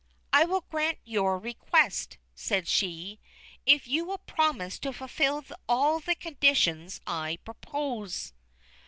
"I will grant your request," said she, "if you will promise to fulfil all the conditions I propose."